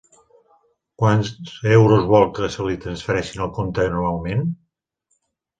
Quants euros vol que se li transfereixin al compte anualment?